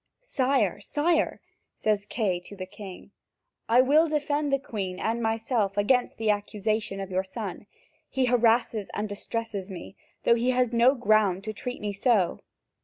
"Sire, sire," says Kay to the king, "I will defend the Queen and myself against the accusation of your son. He harasses and distresses me, though he has no ground to treat me so."